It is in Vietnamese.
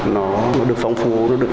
nó được phong phóng